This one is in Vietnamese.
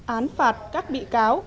án phạt các bị cáo